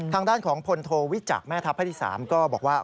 ทางด้านของพลโทวิจักษ์แม่ทัพภาคที่๓ก็บอกว่า